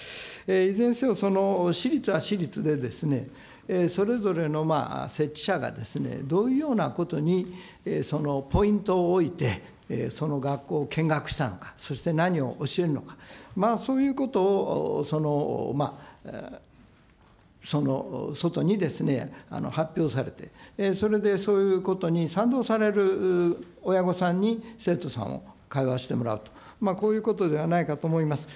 いずれにせよ、私立は私立でそれぞれの設置者がどういうようなことにポイントを置いてその学校を見学したのか、そして何を教えるのか、まあそういうことを、外に発表されて、それでそういうことに賛同される親御さんに生徒さんを通わせてもらうと、こういうことではないかと思います。